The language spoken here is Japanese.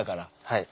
はい。